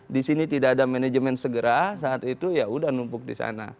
di sini tidak ada manajemen segera saat itu ya udah numpuk di sana